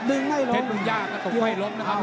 เดินไม่ลงเผ็ดเว่งยากกระตุงไม่ล้มนะครับครับ